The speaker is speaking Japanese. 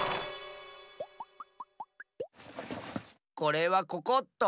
これはここっと。